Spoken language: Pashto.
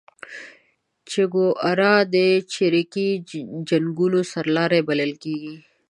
چیګوارا د چریکي جنګونو سرلاری بللل کیږي